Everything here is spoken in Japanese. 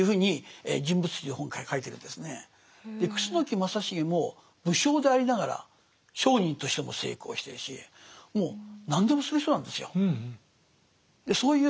楠木正成も武将でありながら商人としても成功してるしもう何でもする人なんですよ。